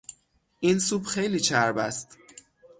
این سوپ خیلی چرب است.